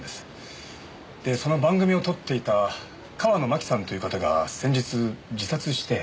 でその番組を撮っていた川野麻紀さんという方が先日自殺して。